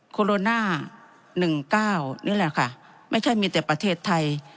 โคโรน่าหนึ่งเก้านี่แหละค่ะไม่ใช่มีแต่ประเทศไทย